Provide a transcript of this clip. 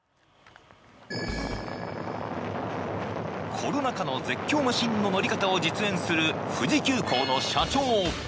コロナ禍の絶叫マシンの乗り方を実演する富士急行の社長。